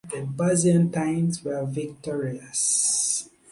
The Byzantines were victorious.